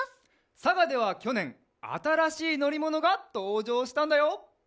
さがではきょねんあたらしいのりものがとうじょうしたんだよ！